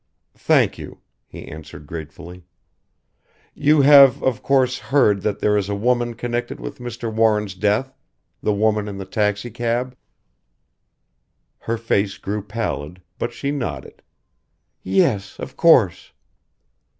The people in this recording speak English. "Thank you," he answered gratefully. "You have, of course, heard that there is a woman connected with Mr. Warren's death the woman in the taxicab." Her face grew pallid, but she nodded. "Yes. Of course."